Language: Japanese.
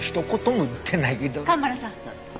蒲原さん！